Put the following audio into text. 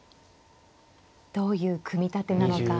どういう組み立てなのか。